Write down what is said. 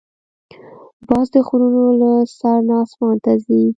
باز د غرونو له سر نه آسمان ته ځي